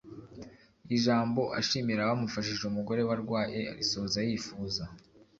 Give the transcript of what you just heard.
ijambo ashimira abamufashije umugore we arwaye arisoza yifuza